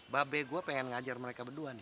babe gue pengen ngajar mereka berdua nih